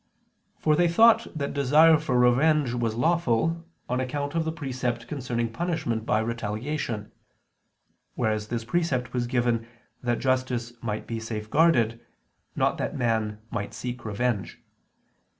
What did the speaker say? For they thought that desire for revenge was lawful, on account of the precept concerning punishment by retaliation: whereas this precept was given that justice might be safeguarded, not that man might seek revenge.